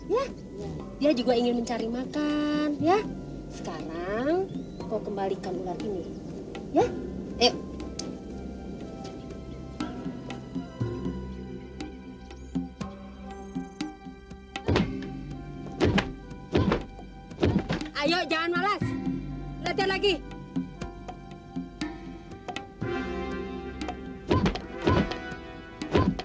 ya dia juga ingin mencari makan ya sekarang kau kembalikan mulut ini ya